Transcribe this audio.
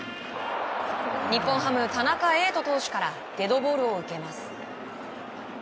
日本ハム、田中瑛斗投手からデッドボールを受けます。